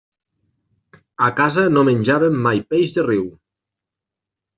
A casa no menjàvem mai peix de riu.